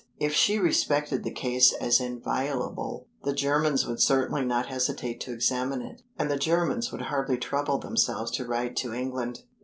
If she respected the case as inviolable, the Germans would certainly not hesitate to examine it, and the Germans would hardly trouble themselves to write to England.